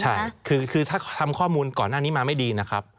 ใช่คือถ้าทำข้อมูลก่อนหน้านี้มาไม่ดีนะครับ